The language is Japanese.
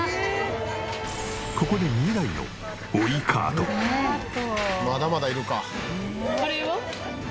ここでまだまだいるか。